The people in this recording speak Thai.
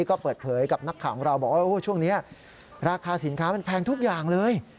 ก็เปิดเผยกับนักข่าวของเราบอกว่าช่วงนี้ราคาสินค้ามันแพงทุกอย่างเลย